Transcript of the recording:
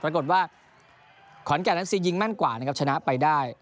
ปรากฏว่าขอนแก่นนั้นซียิงแม่นกว่านะครับชนะไปได้